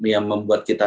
yang membuat kita